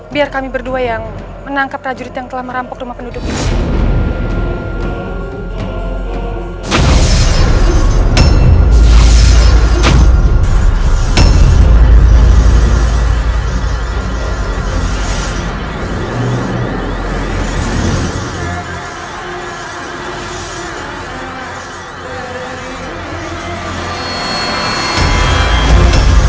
biar kami berdua yang menangkap prajurit yang telah merampok rumah penduduk ini